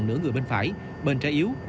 nửa người bên phải bệnh trái yếu